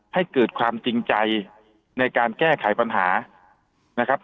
ให้เกิดความจริงใจในการแก้ไขปัญหานะครับ